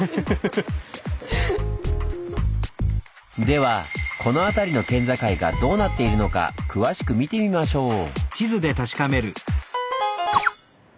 ではこの辺りの県境がどうなっているのか詳しく見てみましょう。